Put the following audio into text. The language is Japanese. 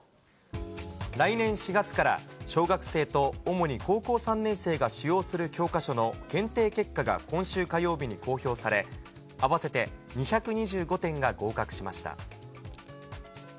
来年４月から、小学生と主に高校３年生が使用する教科書の検定結果が今週火曜日に公表され、合わせて２２５点が合格しました。